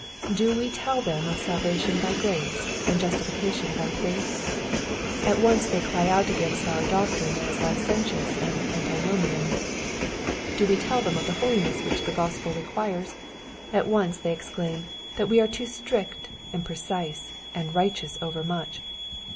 Do we tell them of salvation by grace, and justification by faith ? At once they cry out against our doctrine as licentious and antinomiam. Do we tell them of the holiness which the Grospel requires ? At once they ex claim, that we are too strict, and precise, and righteous overmuch.